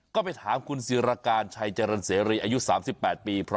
ก็ไปถามคุณศิรการชัยเจริญเสรีอายุ๓๘ปี